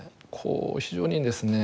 非常にですね